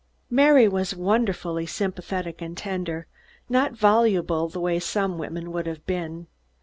Mary was wonderfully sympathetic and tender, not voluble the way some women would have been.